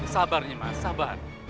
sabar nimas sabar